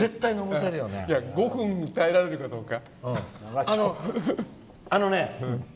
５分耐えられるかどうか。